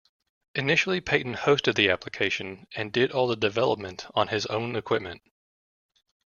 Initially Peyton hosted the application and did all the development on his own equipment.